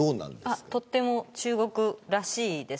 とても中国らしいです。